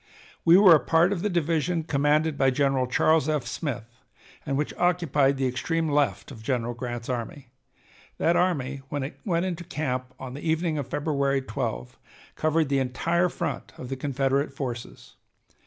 We were a part of the division commanded by General Charles F. Smith, and which occupied the extreme left of General Grant's army. That army, when it went into camp on the evening of February 12, covered the entire front of the Confederate forces.